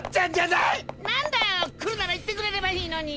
なんだよ来るなら言ってくれればいいのに。